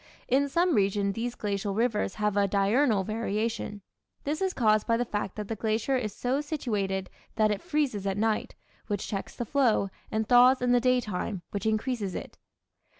In some regions these glacial rivers have a diurnal variation. This is caused by the fact that the glacier is so situated that it freezes at night, which checks the flow, and thaws in the daytime, which increases it.